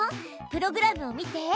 プログラムを見て。